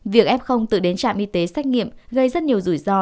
việc ép không tự đến trạm y tế xác nghiệm gây rất nhiều rủi ro